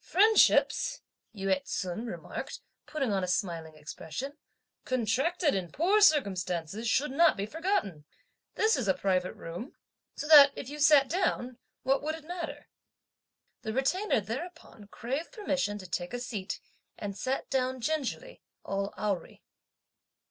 "Friendships," Yü ts'un remarked, putting on a smiling expression, "contracted in poor circumstances should not be forgotten! This is a private room; so that if you sat down, what would it matter?" The Retainer thereupon craved permission to take a seat, and sat down gingerly, all awry.